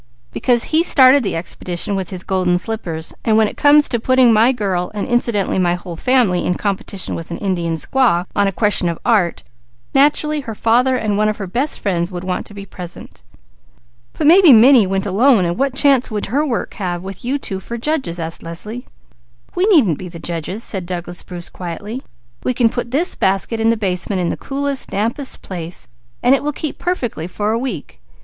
"Because he started the expedition with his golden slippers. When it come to putting my girl, and incidentally my whole family, in competition with an Indian squaw on a question of art, naturally, her father and one of her best friends would want to be present." "But maybe 'Minnie' went alone, and what chance would her work have with you two for judges?" asked Leslie. "We needn't be the judges," said Douglas Bruce quietly. "We can put this basket in the basement in a cool, damp place, where it will keep perfectly for a week.